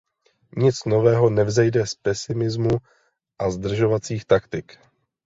Nic nového nevzejde z pesimismu a zdržovacích taktik.